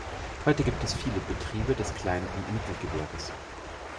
Heute gibt es viele Betriebe des Klein- und Mittelgewerbes.